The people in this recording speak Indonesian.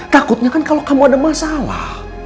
takutnya kan kalau kamu ada masalah